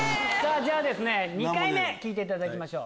じゃあ２回目聴いていただきましょう。